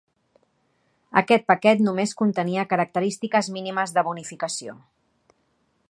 Aquest paquet només contenia característiques mínimes de bonificació.